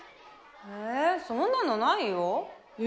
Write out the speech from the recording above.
えそんなのないよ。え？